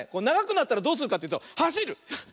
ながくなったらどうするかっていうとはしる！